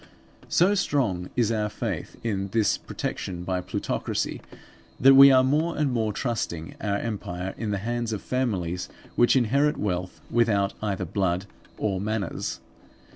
So strong is our faith in this protection by plutocracy, that we are more and more trusting our empire in the hands of families which inherit wealth without either blood or manners.